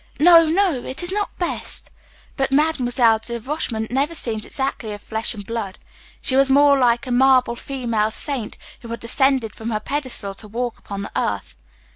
No, no; it is not best." But Mademoiselle de Rochemont never seemed exactly of flesh and blood she was more like a marble female saint who had descended from her pedestal to walk upon the earth.